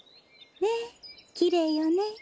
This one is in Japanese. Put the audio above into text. ねえきれいよね。